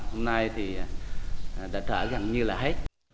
hôm nay thì đã trả gần như là hết